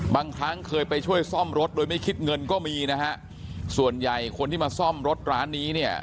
ครั้งเคยไปช่วยซ่อมรถโดยไม่คิดเงินก็มีนะฮะส่วนใหญ่คนที่มาซ่อมรถร้านนี้เนี่ย